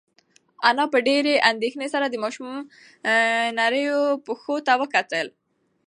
انا په ډېرې اندېښنې سره د ماشوم نریو پښو ته وکتل.